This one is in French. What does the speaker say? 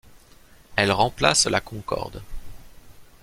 Elle remplace la Concord.